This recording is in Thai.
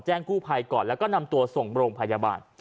กู้ภัยก่อนแล้วก็นำตัวส่งโรงพยาบาล